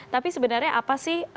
tapi sebenarnya apa sih